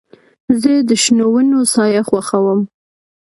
زه د شنو ونو سایه خوښوم.